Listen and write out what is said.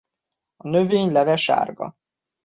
A növény leve sárga.